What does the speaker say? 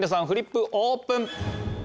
フリップオープン！